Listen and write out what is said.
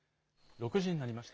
６時になりました。